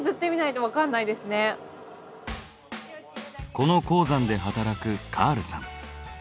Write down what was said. この鉱山で働くカールさん。